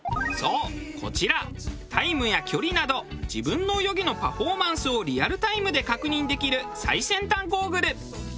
そうこちらタイムや距離など自分の泳ぎのパフォーマンスをリアルタイムで確認できる最先端ゴーグル。